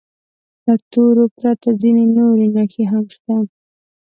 له تورو پرته ځینې نورې نښې هم شته.